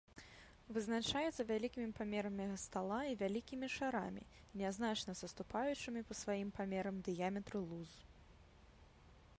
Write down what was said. Вызначаецца вялікімі памерамі стала і вялікімі шарамі, нязначна саступаючымі па сваім памерам дыяметру луз.